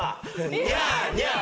ニャーニャー。